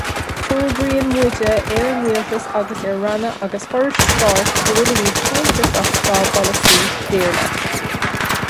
Fógraíonn muide ar an Rialtas agus ar Ranna agus Forais Stáit go bhfuilimid tinn tuirseach dá bpolasaí Béarla.